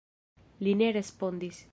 Li ne respondis.